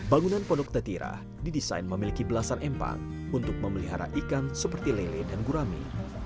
bangunan pondok tetira didesain memiliki belasan empang untuk memelihara ikan seperti lele dan gurame